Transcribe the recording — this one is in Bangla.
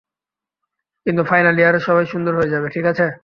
কিন্তু, ফাইনাল ইয়ারে সবাই সুন্দর হয়ে যাবে, ঠিক আছে?